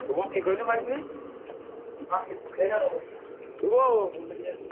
একটু মোটামতো, গোলগাল ফরসা মুখ, মাথার চুল লালচে ধরনের, ববকাট করা।